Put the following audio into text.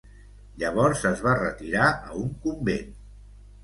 Llavors es va retirar a un convent.